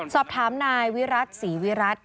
สอบถามนายวิรัติศรีวิรัติ